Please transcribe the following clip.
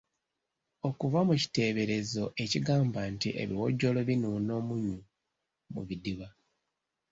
Okuva mu kiteeberezo ekigamba nti ebiwojjolo binuuna omunnyu mu bidiba.